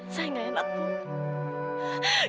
saya nggak enak ibu